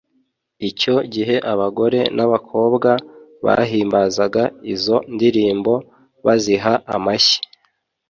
Icyo gihe abagore n'abakobwa bahimbazaga izo ndirimbo baziha amashyi.